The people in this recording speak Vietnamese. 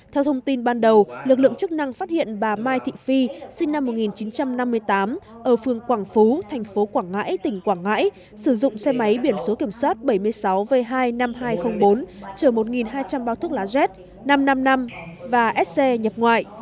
theo thông tin ban đầu lực lượng chức năng phát hiện bà mai thị phi sinh năm một nghìn chín trăm năm mươi tám ở phương quảng phú thành phố quảng ngãi tỉnh quảng ngãi sử dụng xe máy biển số kiểm soát bảy mươi sáu v hai mươi năm nghìn hai trăm linh bốn chở một hai trăm linh bao thuốc lá z năm trăm năm mươi năm và sc nhập ngoại